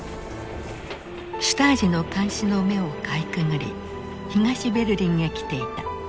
シュタージの監視の目をかいくぐり東ベルリンへ来ていた。